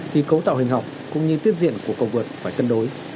thì cấu tạo hình học cũng như tiết diện của cầu vượt phải cân đối